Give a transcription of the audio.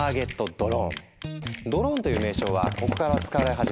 ドローンという名称はここから使われ始めたそう。